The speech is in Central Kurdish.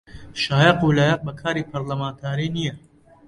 شایەن و لایەق بە کاری پەرلەمانتاری نییە